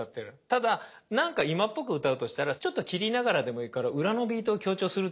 ただなんか今っぽく歌うとしたらちょっと切りながらでもいいから裏のビートを強調するっていうのはありかもしれない。